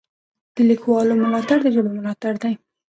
د لیکوالو ملاتړ د ژبې ملاتړ دی.